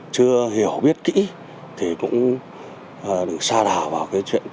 chưa hiểu biết kỹ thì cũng được xa đảo vào cái chuyện tình